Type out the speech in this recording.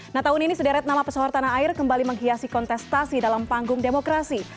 nah tahun ini sederet nama pesawat tanah air kembali menghiasi kontestasi dalam panggung demokrasi